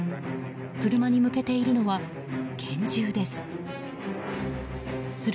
車に向けているのは拳銃です。